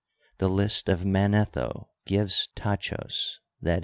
The list of Manetho gives Tachos (L e.